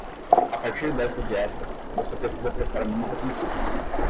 A partir desta dieta, você precisa prestar muita atenção.